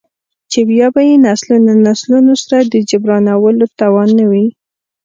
،چـې بـيا بـه يې نسلونه نسلونه سـره د جـبران ولـو تـوان نـه وي.